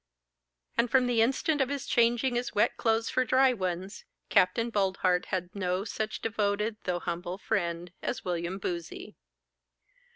And, from the instant of his changing his wet clothes for dry ones, Capt. Boldheart had no such devoted though humble friend as William Boozey.